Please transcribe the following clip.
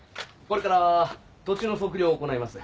これから土地の測量を行います。